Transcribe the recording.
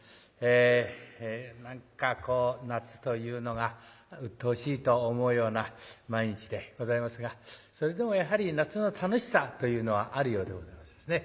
え何かこう夏というのがうっとうしいと思うような毎日でございますがそれでもやはり夏の楽しさというのはあるようでございますですね。